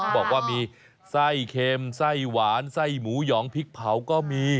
บอกว่ามีไส้เค็มไส้หวานไส้หมูหยองพริกเผาก็มี